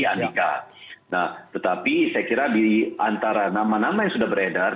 nah tetapi saya kira di antara nama nama yang sudah beredar